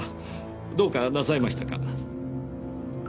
どうかなさいましたか？